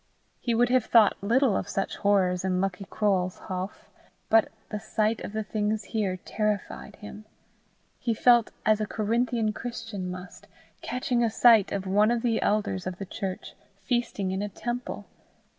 He would have thought little of such horrors in Lucky Croale's houff, but the sight of the things here terrified him. He felt as a Corinthian Christian must, catching a sight of one of the elders of the church feasting in a temple.